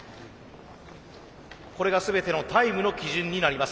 これが全てのタイムの基準になります。